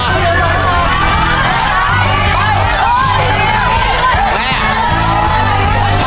ชุดที่๔ข้าวเหนียว๒ห้อชุดที่๔